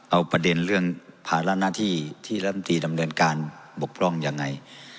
เอาประเด็นเรื่องภาระหน้าที่ที่ยุติดำเนินการบกปร่องอย่างไร